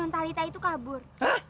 nontalita itu kabur